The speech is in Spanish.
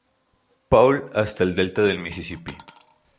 Paul hasta el delta del Mississippi.